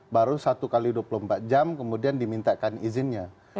baru satu x dua puluh empat jam kemudian dimintakan izinnya